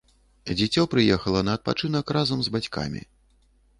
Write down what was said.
Дзіцё прыехала на адпачынак разам з бацькамі.